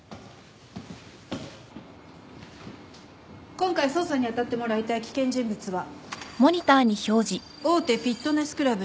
今回捜査に当たってもらいたい危険人物は大手フィットネスクラブ